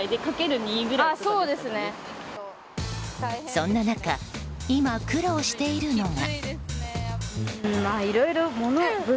そんな中、今苦労しているのが。